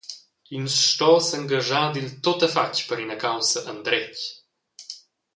Ins sto s’engaschar dil tuttafatg per far ina caussa endretg.